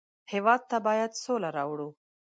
هېواد ته باید سوله راوړو